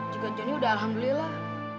jika jenis udah alhamdulillah